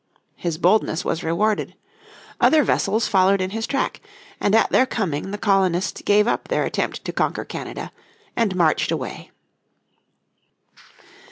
His boldness was rewarded. Other vessels followed in his track, and at their coming the colonists gave up their attempt to conquer Canada, and marched away.